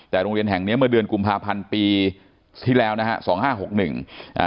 แต่โรงเรียนแห่งนี้เมื่อเดือนกุมภาพันธ์ปีที่แล้วนะฮะ๒๕๖๑